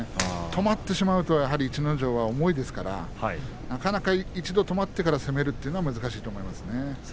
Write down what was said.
止まってしまうと逸ノ城は重いですからなかなか一度止まってから攻めるというのは難しいと思います。